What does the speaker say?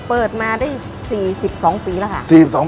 เปิดมาได้๔๒ปีแล้วค่ะ